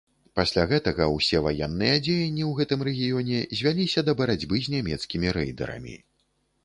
Пасля гэтага ўсе ваенныя дзеянні ў гэтым рэгіёне звяліся да барацьбы з нямецкімі рэйдэрамі.